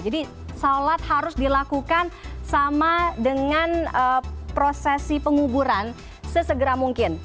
jadi sholat harus dilakukan sama dengan prosesi penguburan sesegera mungkin